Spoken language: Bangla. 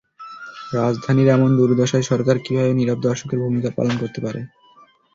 রাজধানীর এমন দুর্দশায় সরকার কীভাবে নীরব দর্শকের ভূমিকা পালন করতে পারে।